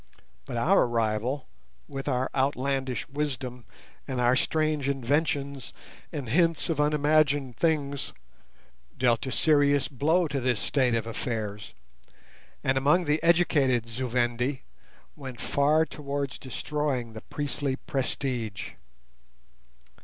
But our arrival, with our outlandish wisdom and our strange inventions and hints of unimagined things, dealt a serious blow to this state of affairs, and, among the educated Zu Vendi, went far towards destroying the priestly prestige.